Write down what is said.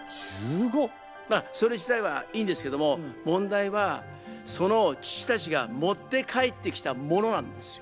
まあそれ自体はいいんですけども問題はその父たちが持って帰ってきたものなんですよ。